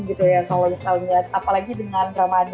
gitu ya kalau misalnya